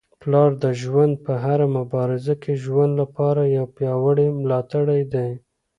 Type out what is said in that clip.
پلار د ژوند په هره مبارزه کي زموږ لپاره یو پیاوړی ملاتړی دی.